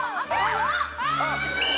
あっ。